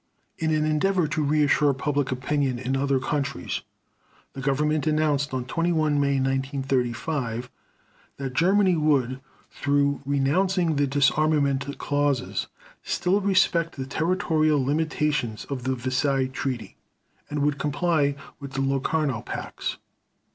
In an endeavor to reassure public opinion in other countries, the Government announced on 21 May 1935 that Germany would, though renouncing the disarmament clauses, still respect the territorial limitations of the Versailles Treaty, and would comply with the Locarno Pacts.